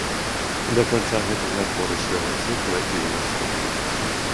Да канца гэтага адборачнага цыкла і ў наступным.